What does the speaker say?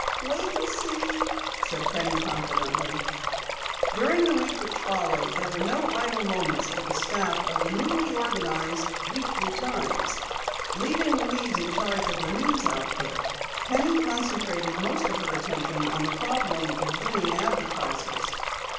"Wait and see," said Penny confidently. During the week which followed there were no idle moments for the staff of the newly organized Weekly Times. Leaving Louise in charge of the news output, Penny concentrated most of her attention on the problem of winning advertisers.